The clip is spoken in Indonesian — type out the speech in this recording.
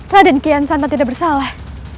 raden kian santan tidak bersalah